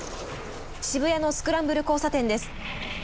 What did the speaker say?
渋谷のスクランブル交差点です。